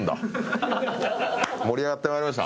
盛り上がって参りました！